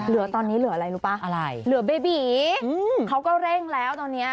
เหลือตอนนี้เหลืออะไรรู้ป่ะอะไรเหลือเบบีอืมเขาก็เร่งแล้วตอนเนี้ย